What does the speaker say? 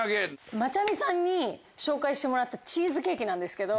マチャミさんに紹介してもらったチーズケーキなんですけど。